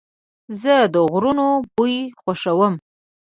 زه د غرونو بوی خوښوم.